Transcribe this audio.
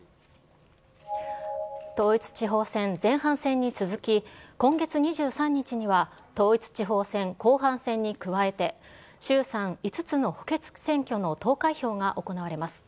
統一地方選前半戦に続き、今月２３日には、統一地方選後半戦に加えて衆参５つの補欠選挙の投開票が行われます。